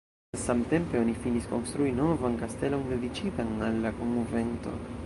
Samtempe oni finis konstrui novan kastelon dediĉitan al la konvento.